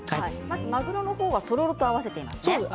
まぐろはとろろと合わせていますね。